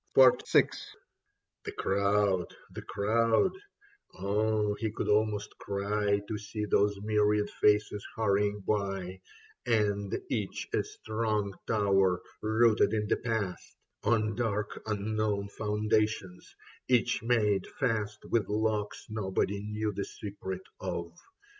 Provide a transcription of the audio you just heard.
Soles Occidere et Redire Possunt 69 VI THE crowd, the crowd — oh, he could almost cry To see those myriad faces hurrying by. And each a strong tower rooted in the past On dark unknown foundations, each made fast With locks nobody knew the secret of.